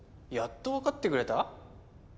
やっと分かってくれた？